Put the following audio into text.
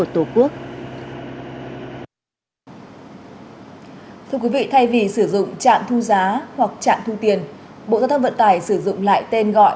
bộ giáo thông vận tài sử dụng lại tên gọi